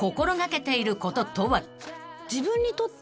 自分にとって。